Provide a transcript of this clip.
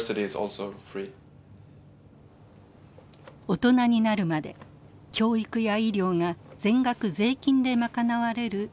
大人になるまで教育や医療が全額税金で賄われるスウェーデン。